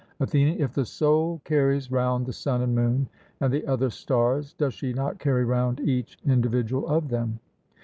ATHENIAN: If the soul carries round the sun and moon, and the other stars, does she not carry round each individual of them?